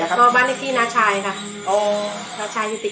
ก็บ้านเลขที่น้าชายค่ะน้าชายอยู่ติด